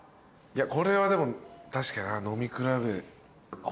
いやこれはでも確かに飲み比べ。